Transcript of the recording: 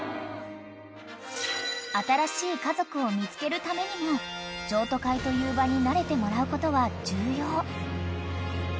［新しい家族を見つけるためにも譲渡会という場に慣れてもらうことは重要］